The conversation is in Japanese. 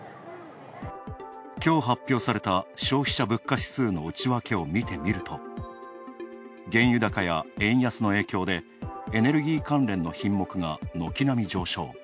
きょう発表された消費者物価指数の内訳を見てみると原油高や円安の影響でエネルギー関連の品目が軒並み上昇。